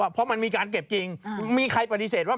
เพราะมันมีการเก็บจริงมีใครปฏิเสธว่า